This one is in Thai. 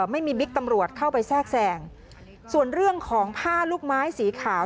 บิ๊กตำรวจเข้าไปแทรกแสงส่วนเรื่องของผ้าลูกไม้สีขาว